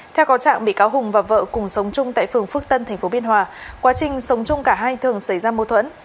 theo có trạng bị cáo hùng và vợ cùng sống chung tại phường phước tân tp biên hòa quá trình sống chung cả hai thường xảy ra mô thuẫn